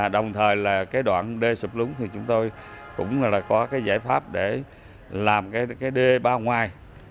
đồng thời đoạn đê sụp lúng thì chúng tôi cũng có giải pháp để làm đê bao ngoài